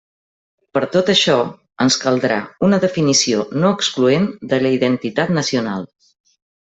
Per tot això ens caldrà una definició no excloent de la identitat nacional.